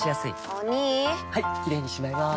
お兄はいキレイにしまいます！